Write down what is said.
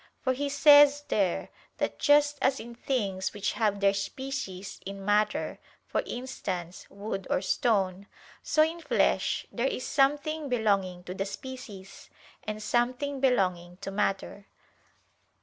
For he says there, that "just as in things which have their species in matter" for instance, wood or stone "so in flesh, there is something belonging to the species, and something belonging to matter."